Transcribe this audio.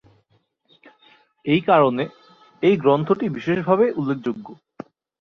এই কারণে, এই গ্রন্থটি বিশেষভাবে উল্লেখযোগ্য।